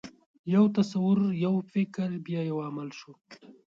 یو تصور، یو فکر، بیا یو عمل شو.